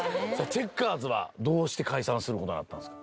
チェッカーズはどうして解散する事になったんですか？